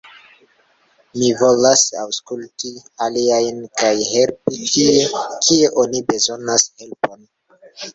Mi volas aŭskulti aliajn, kaj helpi tie, kie oni bezonas helpon.